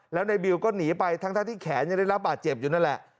แล้วในบิวก็หนีไปทั้งที่แขนยังได้รับบาดเจ็บอยู่นั่นแหละ